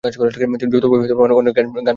যৌথভাবে অনেক গান পরিচালনা করেন।